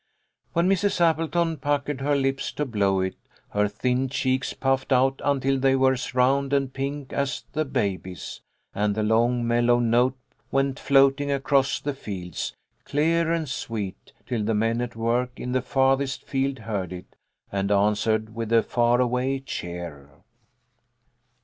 When Mrs. Appleton puckered her lips to blow it, her thin cheeks puffed out until they were as round and pink as the baby's, and the long mellow note went floating across the fields, clear and sweet, till the men at work in the farthest field heard it and answered with a far away cheer.